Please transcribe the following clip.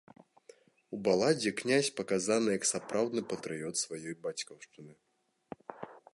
У баладзе князь паказаны як сапраўдны патрыёт сваёй бацькаўшчыны.